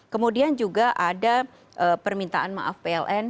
kemudian juga ada permintaan maaf pln